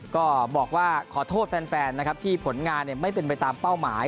ก็บอกว่าขอโทษแฟนนะครับที่ผลงานไม่เป็นไปตามเป้าหมาย